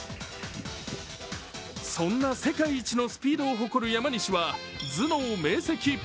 そんな世界一のスピードを誇る山西は頭脳明晰。